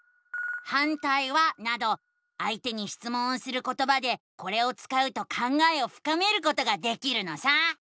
「反対は？」などあいてにしつもんをすることばでこれを使うと考えをふかめることができるのさ！